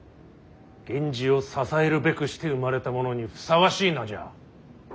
源氏を支えるべくして生まれた者にふさわしい名じゃ。